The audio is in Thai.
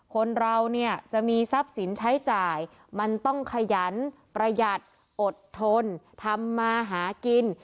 คนเราเนี่ยจะมีทรัพย์สินใช้จ่ายมันต้องขยันประหยัดอดทนทำมาหากิน